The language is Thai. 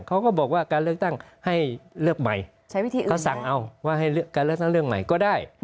เขาก็บอกว่าการเลือกตั้งให้เลือกใหม่เขาสั่งเอาว่าให้การเลือกตั้งเรื่องใหม่ก็ได้